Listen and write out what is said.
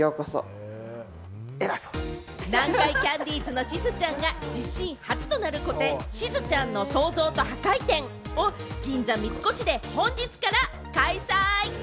南海キャンディーズのしずちゃんが、自身初となる個展「しずちゃんの、創造と破壊展」を銀座三越で本日から開催。